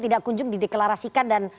tidak kunjung di deklarasikan dan